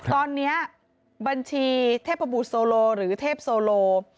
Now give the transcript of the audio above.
ตอนนี้บัญชีเทพบุตรโซโลหรือเทพโซโล